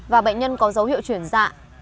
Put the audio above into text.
và bệnh nhân có dấu hiệu chuyển dạ